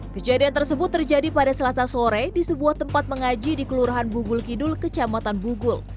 kejadian tersebut terjadi pada selasa sore di sebuah tempat mengaji di kelurahan bugul kidul kecamatan bugul